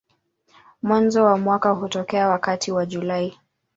Mwanzo wa mwaka hutokea wakati wa Julai.